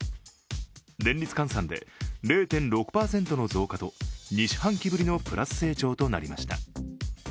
年率換算で０．６％の増加と２四半期ぶりのプラス成長となりました。